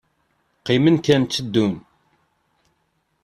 Qqimen kan tteddun.